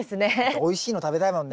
おいしいの食べたいもんね。